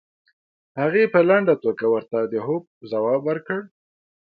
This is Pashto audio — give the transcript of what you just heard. هغې په لنډه توګه ورته د هو ځواب ورکړ.